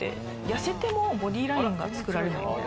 やせてもボディラインが作られない。